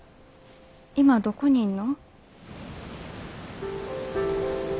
今どこにいんの？